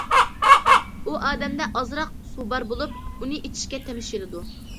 ئۇ ئادەمدە ئازراق سۇ بار بولۇپ، ئۇنى ئىچىشكە تەمشىلىدۇ.